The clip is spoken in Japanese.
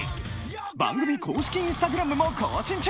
番組公式インスタグラムも更新中！